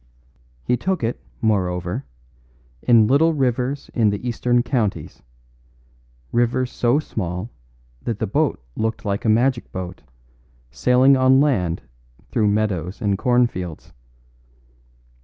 He took it, moreover, in little rivers in the Eastern counties, rivers so small that the boat looked like a magic boat, sailing on land through meadows and cornfields.